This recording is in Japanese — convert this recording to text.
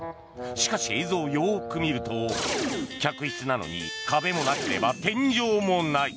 しかし、映像をよく見ると客室なのに壁もなければ天井もない。